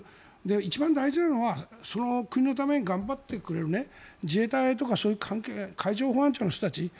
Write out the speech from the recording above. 一番大事なのはその国のために頑張ってくれる自衛隊とか海上保安庁の人たち。